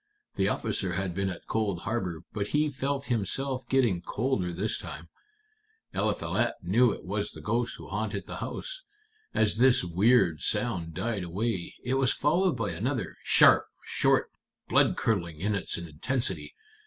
The officer had been at Cold Harbor, but he felt himself getting colder this time. Eliphalet knew it was the ghost who haunted the house. As this weird sound died away, it was followed by another, sharp, short, blood curdling in its intensity.